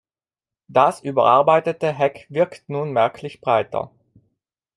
Das überarbeitete Heck wirkt nun merklich breiter.